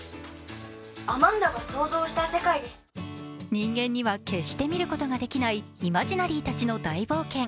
人間には決して見ることができないイマジナリたちの大冒険。